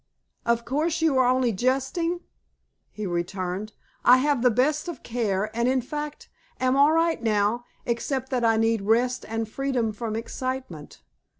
"Of course you are only jesting?" he returned. "I have the best of care, and, in fact, am all right now, except that I need rest and freedom from excitement.